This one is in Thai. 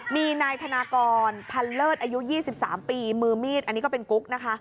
มีนายธนากรพันเลิศอายุ๒๓ปีมือมีดอันนี้ก็เป็นกุ๊กนะคะ